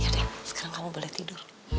sekarang kamu boleh tidur